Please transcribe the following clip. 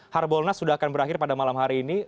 harbolnas sudah akan berakhir pada malam hari ini